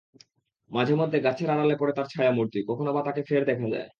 মাঝেমধ্যে গাছের আড়ালে পড়ে তার ছায়ামূর্তি, কখনো-বা তাকে ফের দেখা যায়।